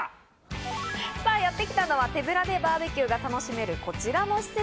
やってきたのは手ぶらでバーベキューが楽しめる、こちらの施設。